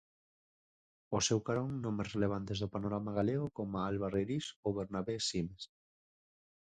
Ao seu carón, nomes relevantes do panorama galego, como Alba Reirís ou Bernabé Simes.